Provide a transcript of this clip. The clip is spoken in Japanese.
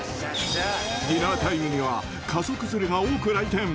ディナータイムには家族連れが多く来店。